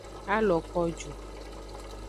A lo ko ju.